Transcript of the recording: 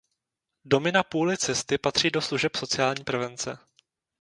Domy na půli cesty patří do služeb sociální prevence.